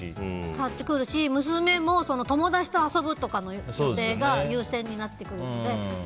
変わってくるし娘も友達と遊ぶとかの予定が優先になってくるので。